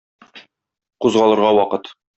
Кузгалырга вакыт!